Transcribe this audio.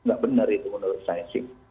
nggak benar itu menurut saya sih